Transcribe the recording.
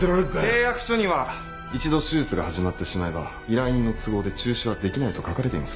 契約書には一度手術が始まってしまえば依頼人の都合で中止はできないと書かれています。